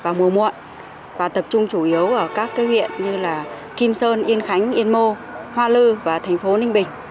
ở mùa muộn và tập trung chủ yếu ở các cái huyện như là kim sơn yên khánh yên mô hoa lư và thành phố ninh bình